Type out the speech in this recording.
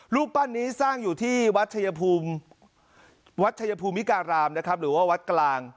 รูปปั้นนี้สร้างอยู่ที่วัดชายภูมิการามหรือว่าวัดกลาง